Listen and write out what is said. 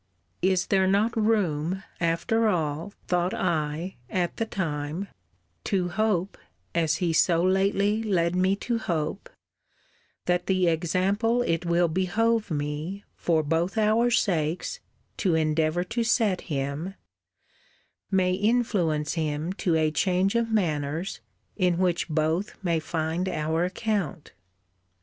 Is there not room, after all, thought I, at the time, to hope (as he so lately led me to hope) that the example it will behove me, for both our sakes, to endeavour to set him, may influence him to a change of manners, in which both may find our account?